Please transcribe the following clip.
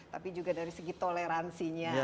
tapi juga dari segi toleransinya